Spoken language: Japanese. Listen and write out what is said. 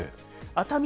熱海